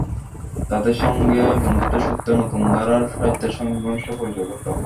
তাঁদের সঙ্গে বন্ধুত্বের সূত্রে নতুন ধারার সাহিত্যের সঙ্গে ঘনিষ্ঠ পরিচয় ঘটল।